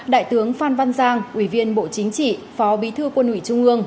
đại tướng phan văn giang ủy viên bộ chính trị phó bí thư quân ủy trung ương